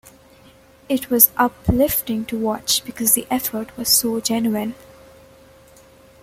It was uplifting to watch because the effort was so genuine.